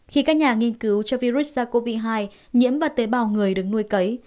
khi các nhà nghiên cứu cho virus sars cov hai nhiễm vào tế bào người đứng nuôi cấy